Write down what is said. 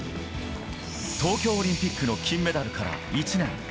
東京オリンピックの金メダルから１年。